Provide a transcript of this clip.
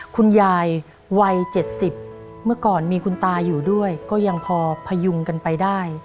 คุณยายวัย๗๐เมื่อก่อนมีคุณตาอยู่ด้วยก็ยังพอพยุงกันไปได้